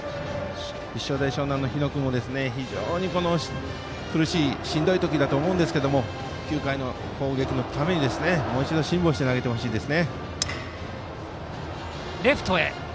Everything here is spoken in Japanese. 立正大淞南の日野君も非常に苦しい、しんどい時だと思いますが９回の攻撃のためにもう一度辛抱して投げてほしいです。